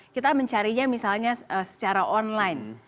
kita mencarinya misalnya secara online